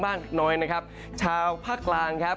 บ้างนิดนึงนะครับชาวภาคกลางครับ